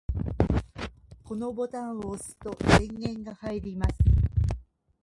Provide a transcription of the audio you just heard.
このボタンを押すと電源が入ります。